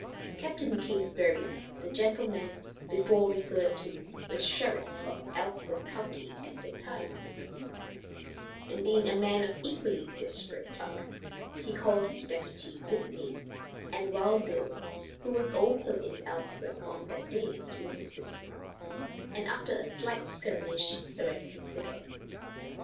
Capt. Kingsbury, the gentleman before referred to, was sheriff of Ellsworth county at the time, and being a man of equally desperate pluck, he called his deputy, Whitney, and Wild Bill, who was also in Ellsworth on that day, to his assistance, and after a slight skirmish arrested the gang.